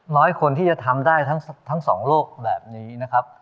น้อยคนที่จะทำได้ทั้งสองโลกแบบนี้นะครับ